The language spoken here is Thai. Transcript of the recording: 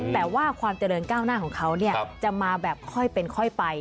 แต่ว่าความเจริญก้าวหน้าของเขาจะมาแบบค่อยเป็นค่อยไป